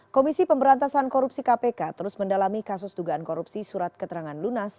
komisi pemberantasan korupsi kpk terus mendalami kasus dugaan korupsi surat keterangan lunas